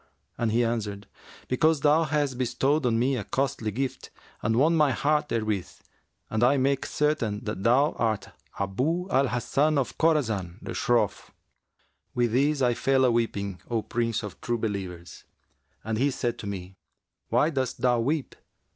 and he answered, 'Because thou hast bestowed on me a costly gift and won my heart therewith, and I make certain that thou art Abu al Hasan of Khorasan the Shroff.' With this I fell aweeping, O Prince of True Believers; and he said to me, 'Why dost thou weep?